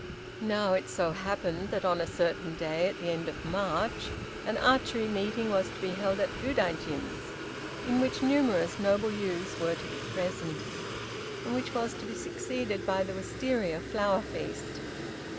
Now, it so happened that on a certain day at the end of March, an archery meeting was to be held at Udaijin's, in which numerous noble youths were to be present, and which was to be succeeded by the Wistaria flower feast.